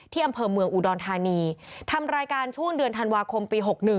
อำเภอเมืองอุดรธานีทำรายการช่วงเดือนธันวาคมปี๖๑